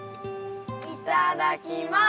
いただきます！